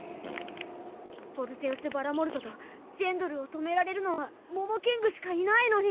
ヴォルゼオス・バラモルドとジェンドルを止められるのはモモキングしかいないのに。